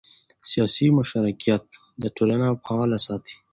سیاسي مشارکت ټولنه فعاله ساتي